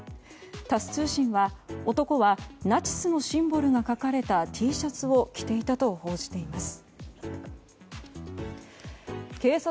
タス通信は男はナチスのシンボルが描かれたＴシャツを着ていたと報じています。